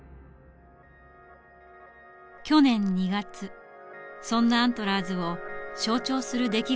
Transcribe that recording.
去年２月そんなアントラーズを象徴する出来事があった。